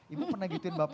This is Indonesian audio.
ibu pernah gituin bapak gak